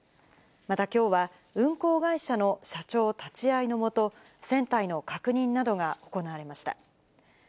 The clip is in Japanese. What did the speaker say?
またきょうは、運航会社の社長立ち会いの下、船体の確認などが行われました。